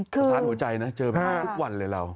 คือสะท้านหัวใจนะเจอมาทุกวันเลยเรา